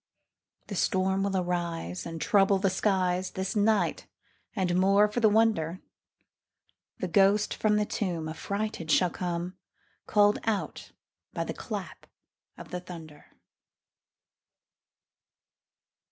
The storm will arise, And trouble the skies This night; and, more for the wonder, The ghost from the tomb Affrighted shall come, Call'd out by the clap of the thunder.